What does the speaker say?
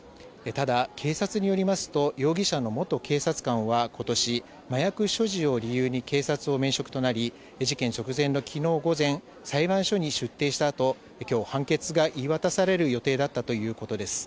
ただ、警察によりますと容疑者の元警察官は今年麻薬所持を理由に警察を免職となり事件直前の昨日午前、裁判所に出廷したあと今日、判決が言い渡される予定だったということです。